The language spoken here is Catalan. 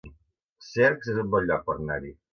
Cercs es un bon lloc per anar-hi